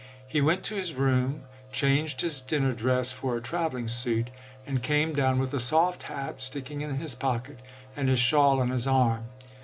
He went to his room, changed cuap. xx. his dinner dress for a traveling suit, and came down with a soft hat sticking in his pocket, and his shawl on his arm.